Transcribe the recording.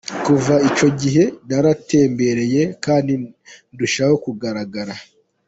Kuva icyo gihe naratembereye kandi ndushaho kugaragara.